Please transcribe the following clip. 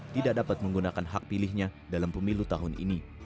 tidak dapat menggunakan hak pilihnya dalam pemilu tahun ini